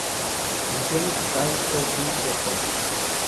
Edición musical Subway Records.